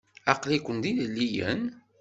Aql-iken d ilelliyen?